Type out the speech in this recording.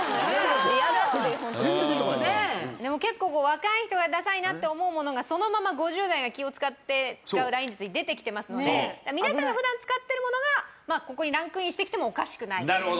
でも結構若い人がダサいなって思うものがそのまま５０代が気を使って使うＬＩＮＥ術に出てきてますので皆さんが普段使ってるものがここにランクインしてきてもおかしくないと。